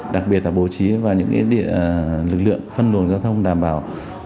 đặc biệt là bố trí và những lực lượng phân đồn giao thông đảm bảo